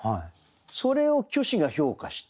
それを虚子が評価して。